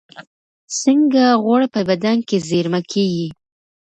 څنګه غوړ په بدن کې زېرمه کېږي؟